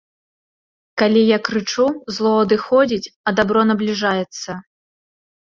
Калі я крычу, зло адыходзіць, а дабро набліжаецца.